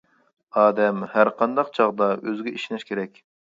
ئادەم ھەر قانداق چاغدا ئۆزىگە ئىشىنىش كېرەك.